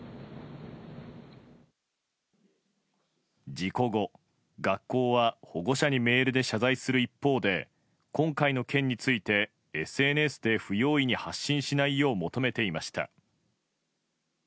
事故後、学校は保護者にメールで謝罪する一方で今回の件についてＳＮＳで不用意に発信しないよう求めていました。